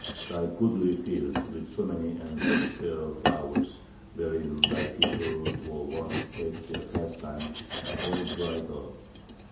"Thy goodly fields, with so many and such fair flowers, wherein thy people were wont to take their pastime, are all dried up.